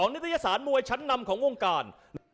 นิตยสารมวยชั้นนำของวงการ